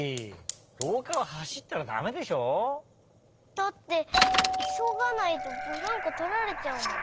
だっていそがないとブランコとられちゃうもん。